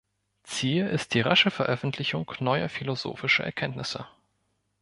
Ziel ist die rasche Veröffentlichung neuer philosophischer Erkenntnisse.